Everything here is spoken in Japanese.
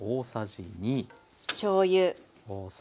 しょうゆ。